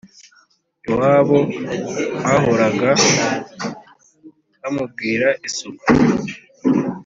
Iwabo hahoraga bamubwira isuku